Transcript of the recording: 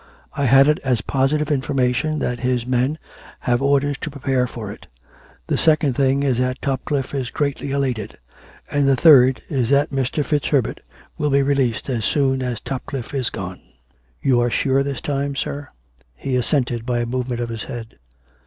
I had it as positive information that his men have orders to prepare for it. The second thing is that Topcliffe is greatly elated; and the third is that Mr. FitzHerbert will be released as soon as Topcliffe is gone." " You are sure this time, sir ?" He assented by a movement of his head.